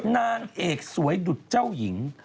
นางเอกสวยดุดเจ้าหญิง